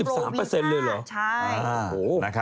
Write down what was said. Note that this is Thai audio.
โรวิทย์๕ใช่โอ้โฮโอ้โฮร้อย